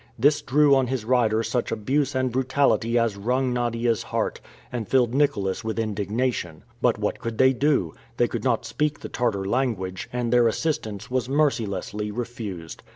This drew on his rider such abuse and brutality as wrung Nadia's heart, and filled Nicholas with indignation. But what could they do? They could not speak the Tartar language, and their assistance was mercilessly refused.